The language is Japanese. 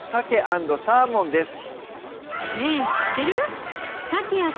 「鮭＆サーモン」です